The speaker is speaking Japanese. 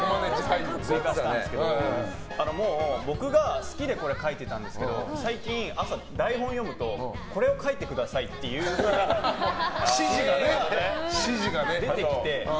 追加したんですけど僕が好きでこれ書いていたんですけど最近、朝、台本を読むとこれを書いてくださいっていう指示が出てきて。